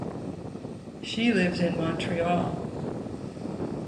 She lives in Montreal.